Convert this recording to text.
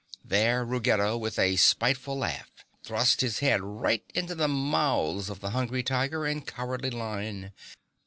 There Ruggedo with a spiteful laugh, thrust his head right into the mouths of the Hungry Tiger and Cowardly Lion.